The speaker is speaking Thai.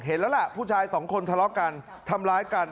เห็นแล้วล่ะผู้ชายสองคนทะเลาะกันทำร้ายกัน